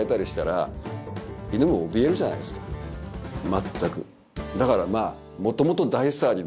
まったく。